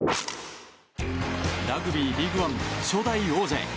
ラグビーリーグワン初代王者へ。